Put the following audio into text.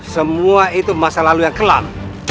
semua itu masa lalu yang kelam